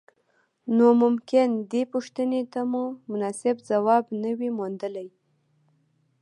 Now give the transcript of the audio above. نو ممکن دې پوښتنې ته مو مناسب ځواب نه وي موندلی.